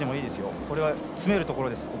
ここは詰めるところです。